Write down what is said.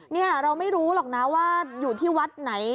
นี่เราไม่รู้หรอกนะว่าอยู่ที่วัดไหน